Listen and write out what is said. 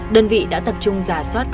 đơn vị đã tập trung giả soát